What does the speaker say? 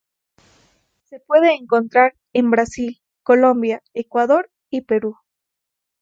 Se puede encontrar en Brasil, Colombia, Ecuador y Perú.